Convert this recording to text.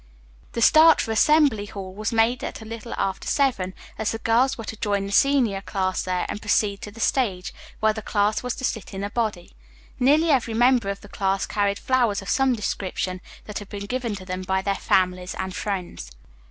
The start for Assembly Hall was made at a little after seven, as the girls were to join the senior class there, and proceed to the stage, where the class was to sit in a body. Nearly every member of the class carried flowers of some description that had been given to them by their families and friends.